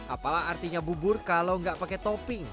apalah artinya bubur kalau nggak pakai topping